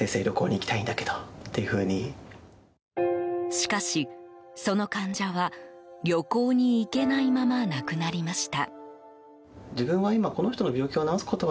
しかし、その患者は旅行に行けないまま亡くなりました。